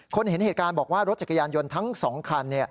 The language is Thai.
เห็นเหตุการณ์บอกว่ารถจักรยานยนต์ทั้ง๒คัน